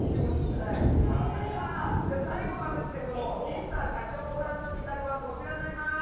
じゃあ、最後なんですけどＭｒ．シャチホコさんの２択はこちらになります。